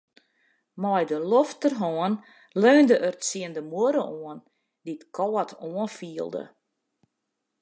Mei de lofterhân leunde er tsjin de muorre oan, dy't kâld oanfielde.